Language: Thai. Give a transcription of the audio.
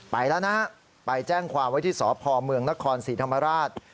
ไปแล้วนะไปแจ้งความไว้ที่สพเมืองนครศรีธรรมราช